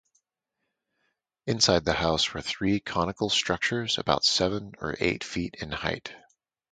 Inside the house were three conical structures about seven or eight feet in height.